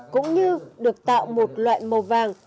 cũng như được tạo một loại màu vàng